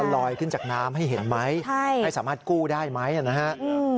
ลอยขึ้นจากน้ำให้เห็นไหมใช่ให้สามารถกู้ได้ไหมนะฮะ